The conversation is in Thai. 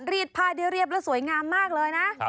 รีดผ้าได้เรียบแล้วสวยงามมากเลยนะ